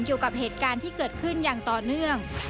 เกี่ยวกับเหตุการณ์ที่เกิดขึ้นอย่างต่อเนื่อง